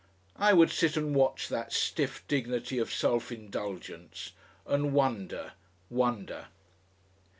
I would sit and watch that stiff dignity of self indulgence, and wonder, wonder....